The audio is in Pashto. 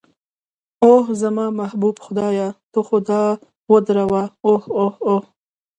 اوه، زما محبوب خدایه ته خو دا ودروه، اوه اوه اوه.